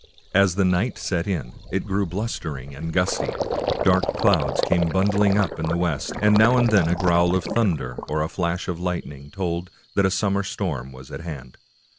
As the night set in, it grew blustering and gusty. Dark clouds came bundling up in the west, and now and then a growl of thunder or a flash of lightning told that a summer storm was at hand.